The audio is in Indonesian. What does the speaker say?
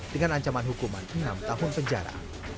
dengan ancaman hukuman enam tahun penjara